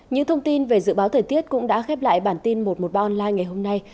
những thông tin về dự báo thời tiết cũng đã khép lại bản tin một trăm một mươi ba online ngày hôm nay